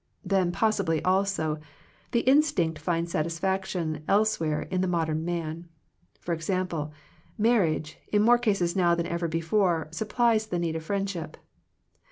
Then possibly also the instinct finds satisfaction elsewhere in the mod* em man. For example, marriage, in more cases now than ever before, sup plies the need of friendship.